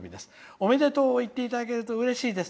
おめでとうを言っていただけるとうれしいです。